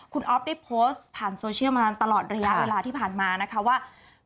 คุณอ๊อฟได้โพสต์ผ่านโซเชียลมานานตลอดระยะเวลาที่ผ่านมานะคะว่า